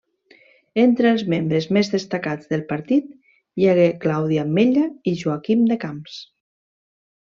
Entre els membres més destacats del partit hi hagué Claudi Ametlla i Joaquim de Camps.